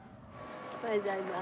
おはようございます。